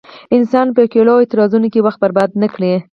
انسان په ګيلو او اعتراضونو کې وخت برباد نه کړي.